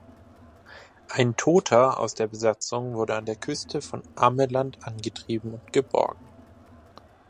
Ein Toter aus der Besatzung wurde an der Küste von Ameland angetrieben und geborgen.